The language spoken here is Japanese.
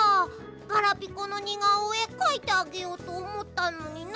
ガラピコのにがおえかいてあげようとおもったのにな。